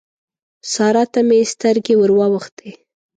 سارا ته مې سترګې ور واوښتې.